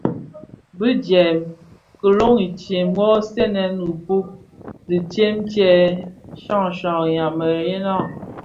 Bi djèm kilōň itsem nso lè dhipud ditsem dyè shyashyak mëyeňa.